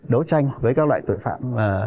đấu tranh với các loại tội phạm